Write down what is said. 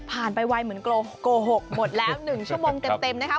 ไปไวเหมือนโกหกหมดแล้ว๑ชั่วโมงเต็มนะคะ